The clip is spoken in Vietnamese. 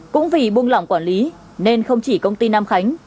cũng vì buông lỏng quản lý nên không chỉ công ty nam khánh